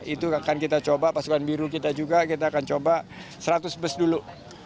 itu akan kita coba pasukan biru kita juga kita akan coba seratus bus dulu